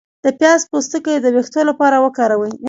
د پیاز پوستکی د ویښتو لپاره وکاروئ